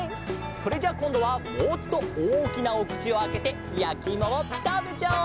それじゃあこんどはもっとおおきなおくちをあけてやきいもをたべちゃおう！